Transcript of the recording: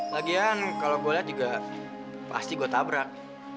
lagian kalau gue lihat juga pasti gue tabrak